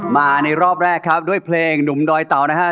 มาในรอบแรกครับด้วยเพลงหนุ่มดอยเต่านะฮะ